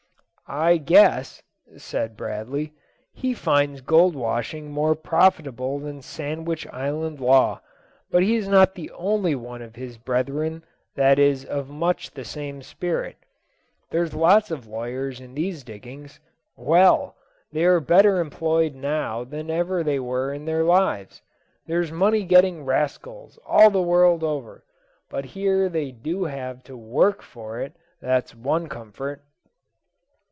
"I guess," said Bradley, "he finds gold washing more profitable than Sandwich Island law; but he's not the only one of his brethren that is of much the same spirit; there's lots of lawyers in these diggings. Well! they are better employed now than ever they were in their lives. They're money getting rascals all the world over; but here they do have to work for it, that's one comfort."